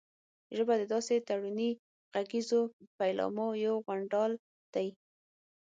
ژبه د داسې تړوني غږیزو پيلامو یو غونډال دی